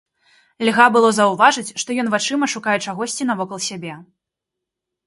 Льга было заўважыць, што ён вачыма шукае чагосьці навокал сябе.